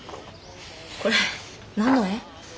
これ何の絵？